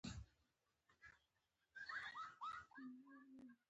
مرسته ونه سوه کړای.